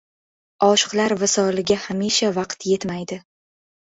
Oshiqlar visoliga hamisha vaqt yetmaydi.